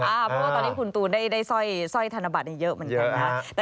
เพราะว่าตอนนี้คุณตูนได้สร้อยธนบัตรเยอะเหมือนกันนะ